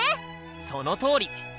そのとおり！